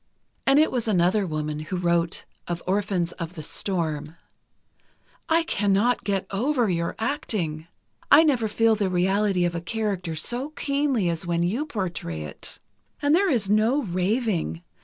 And it was another woman who wrote of "Orphans of the Storm": I cannot get over your acting: I never feel the reality of a character so keenly as when you portray it. And there is no raving.